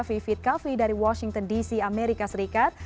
vivit kaffi dari washington dc amerika serikat